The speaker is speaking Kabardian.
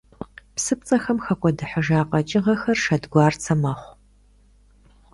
ПсыпцӀэхэм хэкӀуэдыхьыжа къэкӀыгъэхэр шэдгуарцэ мэхъу.